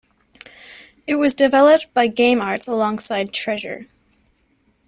It was developed by Game Arts alongside Treasure.